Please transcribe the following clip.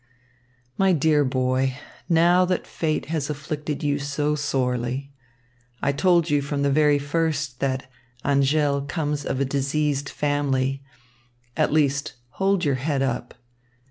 My dear boy, now that fate has afflicted you so sorely I told you from the very first that Angèle comes of a diseased family at least hold your head up.